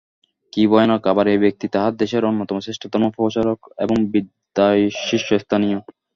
কি ভয়ানক! আবার এই ব্যক্তিই তাঁহার দেশের অন্যতম শ্রেষ্ঠ ধর্মপ্রচারক এবং বিদ্যায় শীর্ষস্থানীয়।